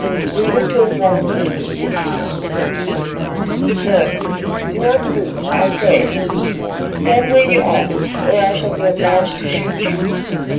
The Zulu turned round, and took a step towards him. "No, do not move, I pray. Stand where you are, or I shall be obliged to shoot you.